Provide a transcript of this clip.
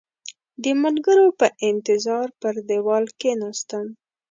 د ملګرو په انتظار پر دېوال کېناستم.